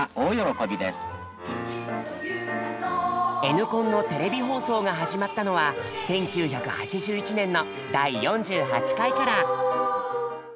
「Ｎコン」のテレビ放送が始まったのは１９８１年の第４８回から。